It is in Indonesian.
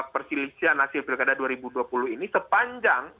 perselisihan hasil pilkada dua ribu dua puluh ini sepanjang